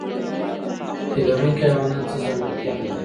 تی لرونکي حیوانات څه ځانګړتیا لري؟